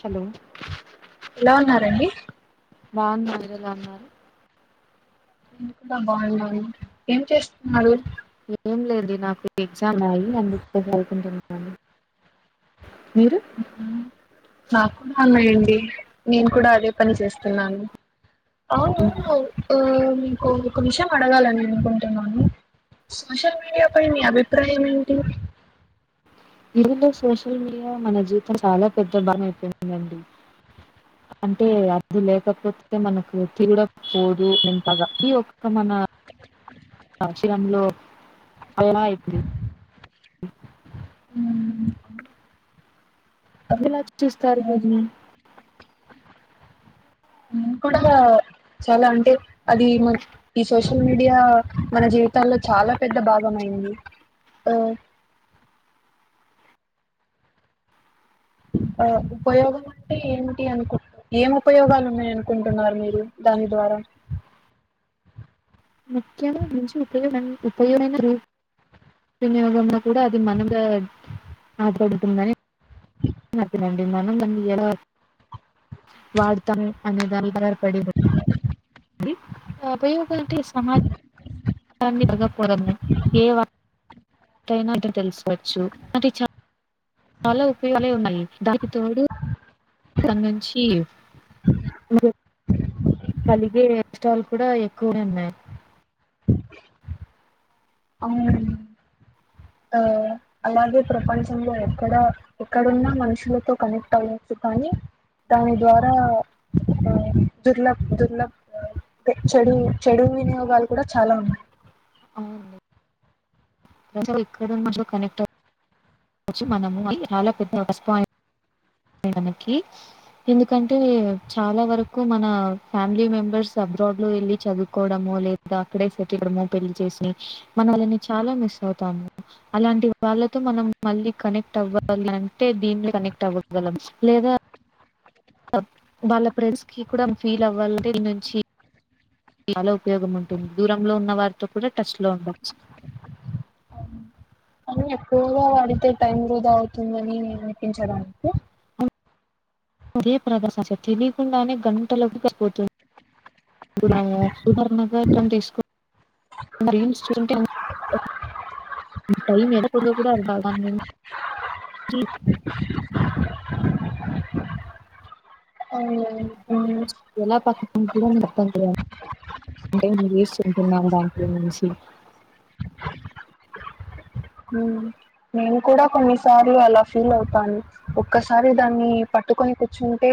Hello ఎలా ఉన్నారండి బాగున్నాను మీరు ఎలా ఉన్నారు నేను కూడా బాగున్నా అండి ఏం చేస్తున్నారు ఏం లేదు నాకు ఎగ్జామ్ ఉంది అందుకే చదువుకుంటున్నాను మీరు ఉ నాకు కూడా ఉన్నాయండీ నేను కూడా అదే పని చేస్తున్నాను అవును ఉ కు ఒక విషయం అడగాలని అనుకుంటున్నాను సోషల్ మీడియా పై మీ అభిప్రాయం ఏంటి? ఇల్లో సోషల్ మీడియా మన జీవితం చాలా పెద్ద భాగం అయిపోయిందండి. అంటే అది లేకపోతే మనకు [unintelligible] పోదు ఎంతగా ఈ ఒక్క మన ఆచిరంలో అయిన అయిపోయేది మ్మ్, ఆ, మీర్ ఏలా చూస్తారు ఈరోజు దీన్ని హ్మ్ కూడా చాలా అంటే అది మన ఈ సోషల్ మీడియా మన జీవితాల్లో చ్ ఆల్లా పెద్ద భాగం అయింది ఆ [inaudible] ఆ ఉపయోగం అంటే ఏమిటి అనుకున్. ఏం ఉపయోగాలు ఉన్నాయి అనుకుంటున్నారు మీరు దాని ద్వారా. [unintelligible] ముఖ్యమ మంచి ఉపయోగం. ఉపయోగమైన రూప్ వినియోగంలో కూడా అది మనంగా ఆధాపడుతుందని. హ్యాపీనండి మనం దాన్ని ఎలా వాడతాం అనే దాని [unintelligible] పడి బా అది ఆ ఉపయోగ అంటే సమాజ్ జాన్ని పగపోరముగా ఏవా కైన ఇతడు తెలుసుకొవచ్చు అది చా చాలా ఉపయోగాలే ఉన్నాయి దానికి తోడు సంఘంచి [unintelligible] కలిగే ఎక్స్ట్రాలు కూడా ఎక్కువనే ఉన్నాయి అవును ఆ అలాగే ప్రపంచంలో ఎక్కడ ఎక్కడున్నా మనుషులతో కనెక్ట్ అవ్వచ్చు కానీ దాని ద్వారా ఆ దుర్లబ్ దుర్లబ్ అ టె చెడు చెడు వినియోగాలు కూడా చాలా ఉన్నాయి అవును ప్రజలు ఎక్కడ ఉన్నా చో కనెక్ట్ అవ్ చ్చు మనము అది చాలా పెద్ద ప్లస్ పాయింట్ మనకి ఎందుకంటే చాలా వరకు మన ఫ్యామిలీ మెంబర్స్ అబ్రాడ్ లో వెళ్ళి చదువుకోవడము ము లేదా అక్కడే సెటిల్ అవ్వడము పెళ్లి చేసి మన వాళ్ళని చాలా మిస్ అవుతాము అలాంటి వ వాళ్ళతో మనం మళ్ళీ కనెక్ట్ అవ్వాలంటే దీన్లి కనెక్ట్ అవ్వగలం లేదా అబ్ వాళ్ళ ప్రెండ్స్ కి కూడా ఫీల్ అవ్వాలి దీని నుంచి చాలా ఉపయోగం ఉంటుంది దూరంలో ఉన్నవారితో కూడా టచ్ లో ఉండచ్చు అ [unintelligible] కానీ ఎక్కువగా వాడితే టైం వృధా అవుతుందని అనిపించద నీకు? అదే ప్రగాశశ తెలియకుండానే గంటలకుపోతుంది [unintelligible] సుధర్నగటం తీసుకో కుండా రీల్స్ చూసుంటే అవును ఆ టైం ఎనకుందొ కూడా దా దాన్ని చీవ్ అవునవును ఎలా పక్కకుంటడో అర్థం తెలియ అంటే నువ్వు [unintelligible] వానికి ఏమైనా సా మ్మ్ నేను కూడా కొన్నిసార్లు అలా ఫీల్ అవుతాను. ఒక్కసారి దాన్ని పట్టుకొని కూర్చుంటె టే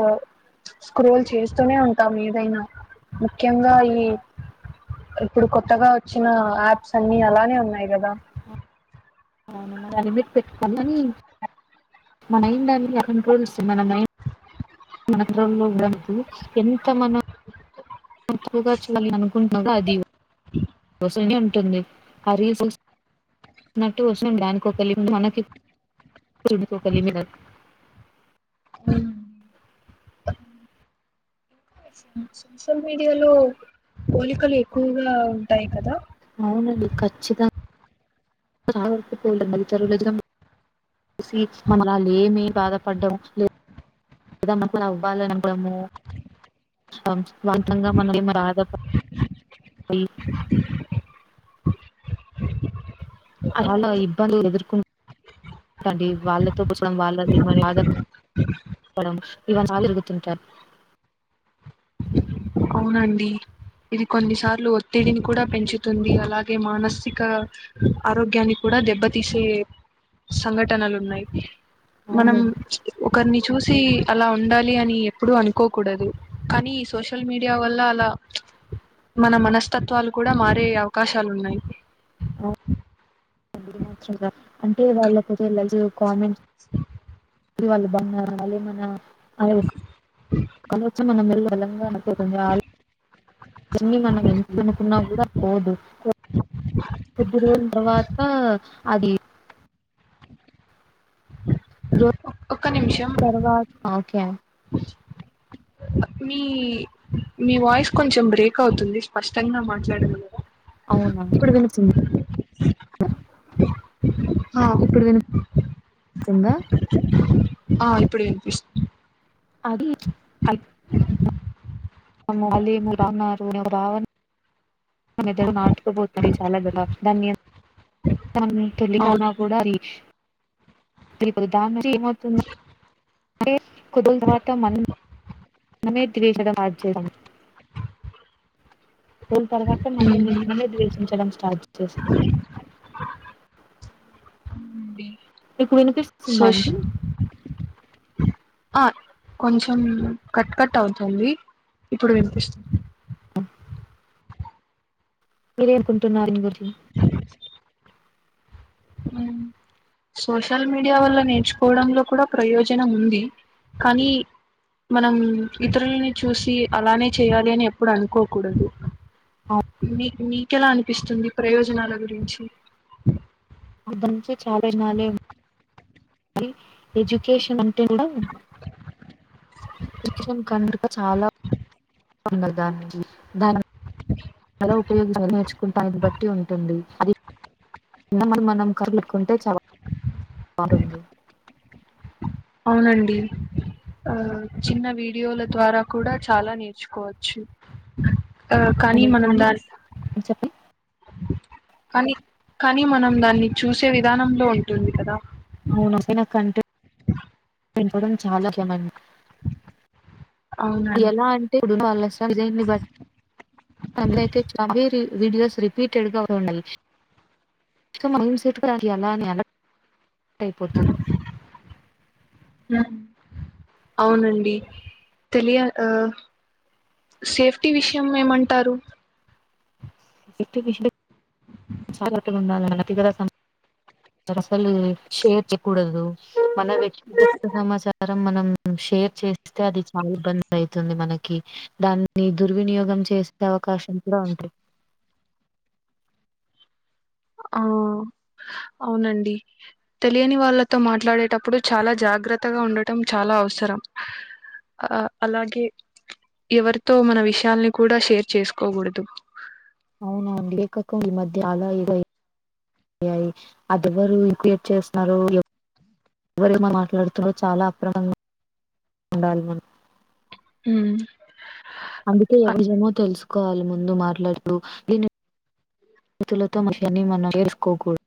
ఆ స్క్రోల్ చేస్తూనే ఉంటాం ఏదైనా ముఖ్యంగా ఈ ఇప్పుడు కొత్తగా వచ్చిన యాప్స్ అన్ని అలానే ఉన్నాయి కదా! అవును మరీ ఆ లిమిట్ పెట్ [unintelligible] మా మైండ్ [unintelligible] కంట్రోల్స్ మన మైండ్ మంత్రంలో బ్రాంతు ఎంత మనం మతుగా చూలి అనుకుంటుగా అది వాస్తునేయ్ వుంటుంధి ఆ రీల్స్ ఉయు సుసి నటు వచ్చి డ్యాన్ కోకలి మనకి కుడుకు కలి మిన [unintelligible] సోషల్ మీడియాలో పోలికలు ఎక్కువగా ఉంటాయి కదా అవునండి ఖచ్చితం గాసావ పోల్ మది తరులద [unintelligible] స్వీట్స్ మనవాలేమి బాధపడ్డం లే దా మనం మన వాళ్లననుకోవడము ఆమ్ వాల్తంగా మన ఏ బాధ అలా ఇబ్బంది ఎదుర్క డి వాళ్ళతో కూసం వాళ్ళది మ బాధ ఇవ్వడం ఇవని సర్లు తిరుగుతుంటారు అవునండి ఇది కొన్నిసార్లు ఒత్తిడిని కూడా పెంచుతుంది అలాగే మానసిక ఆరోగ్యాన్ని కూడా దెబ్బతీసే సంఘటనలు ఉన్నాయి మనం అవునండి ఒకరిని చూసి సి అలా ఉండాలి అని ఎప్పుడు అనుకోకూడదు కానీ ఈ సోషల్ మీడియా యా వల్ల అలా మన మనస్తత్వాలు కూడా మారే అవకాశాలు ఉన్నాయి అవు మాత్ర అంటే వాళ్ళకు వెళ్ళదు కామెంట్స్ వాళ్ళు బాగున్నారు వాళ మన ఆ అచ్చం [unintelligible] కూడా పోదు కొద్ది రోజుల తర్వాత అది ఒక్క నిమిషం తర్వాత ఒకే మీ వాయిస్ కొంచెం బ్రేక్ అవుతుంది స్పష్టంగా మట్లడగలర అవునా ఇప్పుడు వి ఆ ఇప్పుడు విని పిస్తుందా ఆ ఇప్పుడ వినిపిస్తు అది ఆ ఆ భావన్ నాటుుకుపోతుంది చాలా దుర దాన్ని తెలి అవును కూడా దాని ను ఏమవుతుంది అ కుద తర్వాత మ మమే [unintelligible] జూన్ తర్వాత మనం అవునండి ద్వేషించడం స్టార్ట్ చేసాం ఉమ్ మీకు వినుపిస్తుందా అండి ఆ కొంచెం కట్ కట్ అవుతుంది ఇప్పుడు వినిపిస్తుంది మీరే అనుకుంటున్నారు దీని గురించి ఉమ్ సోషల్ మీడియా వల్ల నేర్చుకోవడంలో కూడా ప్రయోజనం ఉంది కానీ మనం ఇతరులని చూసి అలానే చేయాలి అని ఎప్పుడు అనుకోకూడదు మీ మీకెలా అనిపిస్తుంది ప్రయోజనాల గురించి అర్థంచే చాలానాలే ఎడ్యుకేషన్ అంటే కూడ కనుక చాలా ఉండ దా దాని తర ఉపయోగ నేర్చుకుంటా బట్ టి ఉంటుంది అది మనం [unintelligible] మారింధి అవునండి ఆ చిన్న వీడియోల ద్వారా కూడా చాలా నేర్చుకోవచ్చు ఆ కనీ మనం దా చెప్పండి కానీ కానీ మనం దాన్ని చూసే విధానంలో ఉంటుంది కదా అవును అసలైన కంటెంట్ [unintelligible] చాలా ముఖ్యమండీ అవునండి ఎలా అంటే అది వాళజైన్ని బట్టి అందరు చబీరి వీడియోస్ రిపీటెడ్ గా ఉన్నాయి కానీ ఎమ్ సెట్ [unintelligible] ఎలా టెన్త్ అయిపోతే ఉమ్. అవునండి తెలియ ఆ సేఫ్టీ విషయం ఏమంటారు [unintelligible] జాగ్రత్తగా ఉండాలి అసలు షేర్ వేయకూడదు మన వ్యక్తిగత సమాచారం మన షేర్ చేస్తే అది చాలా ఇబ్బంది అవుతుంది మనకి దాన్ని దుర్వినియోగం చే చేసే అవకాశం కూడా ఉండ్రి ఆ అవునండి తెలియని వాళ్ళతో మాట్లాడేటప్పుడు చాలా జా జాగ్రత్తగా ఉండటం చాలా అవసరం ఆ అలాగే ఎవరితో మన విషయాలని కూడా షేర్ చేసుకోకూడదు అవును అవను లే కాకపోతే ఈ మధ్య చాలా [unintelligible] అయ్యాయి అది ఎవరు క్రియేట్ చేస్తున్నారో ఎవరి మా మాట్లాడుతుందో చాలా అప్రమంగా ఉండాలి మనం హ అందుకే ఎవరేమో తెలుసుకోవాల ముందు మాట్లాడుూ దీని మతులతో మహిని మన వేసుకోకూడదు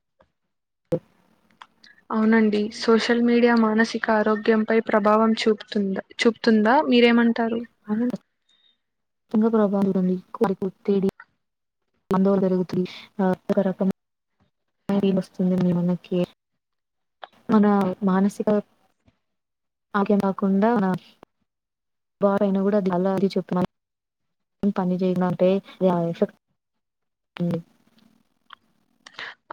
అవునండి సోషల్ మీడియా మానస్ మానసిక ఆరోగ్యం పై ప్రభావం చూపుతుందా చూపుతుందా మీరేమంట అవును కచ్చితంగా ప్రభావం చూపుతుంది పందో అదో రకం వస్తుంది మిమనకి మన మానసిక ఆగ కాకుండా బాగా అన్య కూడా అలాగే చెప్పన్నాను ఎం పని చేయనుంటే ఎఫట్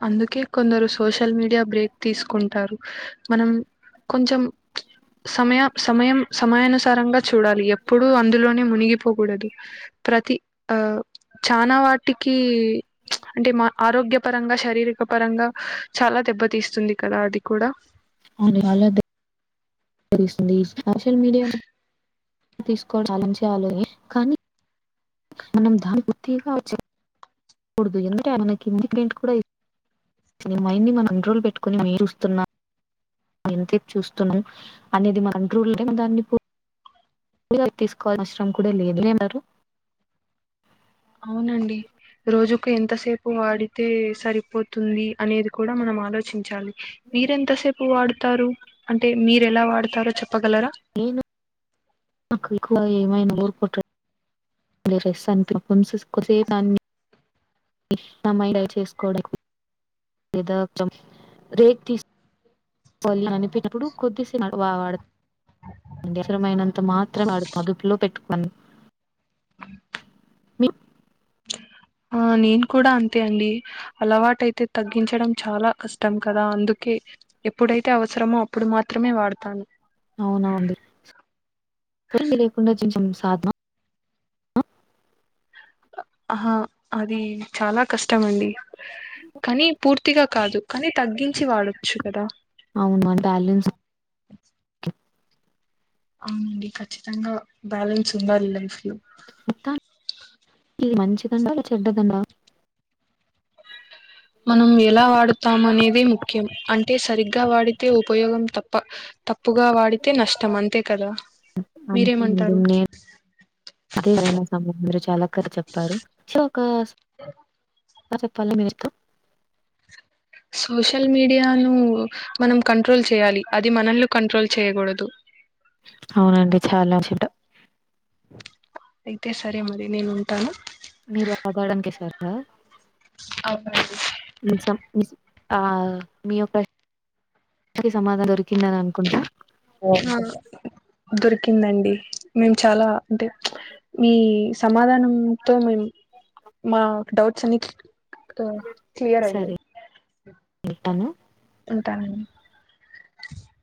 అందుకే కొందరు సోషల్ మీడియా బ్రేక్ తీసుకుంటారు మనం కొంచం సమయం సమయం సమయానుసారంగా చూడాలి ఎప్పుడూ అందులోనే మునిగిపోకూడదు ప్రతి ఆ చానా వాటికి అంటే మా ఆరోగ్య పరంగా శారీరక పరంగా చాలా దెబ్బతీస్తుంది కదా అది కూడా తెస్తుంది సోషల్ మీడియా తీసుకోవ అలం చేయాలని కానీ మనం దాని పూర్తిగా చ్చకూడదు ఎందుంటే మన కింది ఇండిపెంట్ కూడా ఇ నీ మైండ్ ని మన కంట్రోలు పెట్టుకొని మీ చూస్తున్నా ఎంతే చూస్తును అనేది మన కంట్రోల్ దాన్ని తీసుకోవాల్సిన అవసరం కూడా లేదు అవునండి రోజు ఎంతసేపు వాడితే సరిపోతుంది అనేది కూడా మనం ఆలోచించాలి మీరెంత సేపు వాడుతారు అంటే మీరు ఎలా వాడతారో చెప్పగలరా నాకుకు ఎక్కువ ఎం ఐనా బోర్ కొట్టడం [unintelligible] ఇస్తా మైండ్ డైవర్ట్ చేసుకోవడం లేదా కొంచం బ్రేక్ తీసు ఫల్ల అనిపినప్పుడు కొద్దిసె వ వాడత అంటే అవసరమైనంత మాత్రం వాడుత ఆదుపులో పెట్టుకును. మి అ ఆ నేను కూడా అంతే అండి అలవాటయితే తగ్గించడం చాలా కష్టం కదా అందుకే ఎప్పుడైతే అవసరమో అప్పుడు మాత్రమే వాడతాను. అవునవండి [inaudible] సాధమ అ ఆహా అది చాలా కష్టమండి. కానీ పూర్తిగా కాదు. కానీ తగ్గించి వాడొచ్చు కదా. అవును మన బ్యాలెన్స్ అవునండి ఖచ్చితంగా బ్యాలెన్స్ ఉండాలి లైఫ్ లో. మొత్తానికి ఇది మంచిదండా లేదా చెడ్డదండా మనం ఎలా వాడుతాం అనే ది ముఖ్యం అంటే సరిగ్గా వాడితే ఉపయోగం తప్ప, తప్పుగా వాడితే నష్టం అంతే కదా. ఆంటీ మీరేమంటారు నేన్ [inaudible] అ చెప్పాలా మేమెప్పుడూ సోషల్ మీడియాను మనం కంట్రోల్ చేయాలి. మనల్ని కంట్రోల్ చేయకూడదు. చాలాచ్చట అయితే సరే మరి నేనుంటాను. మీరు ఆగాడానికెసారా ఆ మునషం మిస్ ఆ మీ యొక్క సమాధా దొరికి తిన్నాను అనుకుంటా దొరికిందండి మేము చాలా అంటే మీ సమాధానంతో మేము మా డౌట్స్ అన్ని తో క్లియర్ అయ్యాయి సరే ఉంటాను ఉ టాన్